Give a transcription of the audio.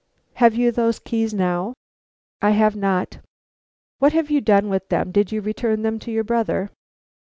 "Have you those keys now?" "I have not." "What have you done with them? Did you return them to your brother?"